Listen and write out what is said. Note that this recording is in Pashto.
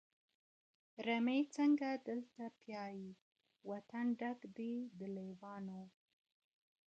رمې څنګه دلته پايي وطن ډک دی د لېوانو